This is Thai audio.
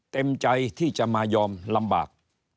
เต็มใจที่จะมายอมลำบาก